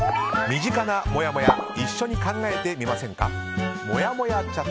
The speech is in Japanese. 身近なもやもや一緒に考えてみませんか。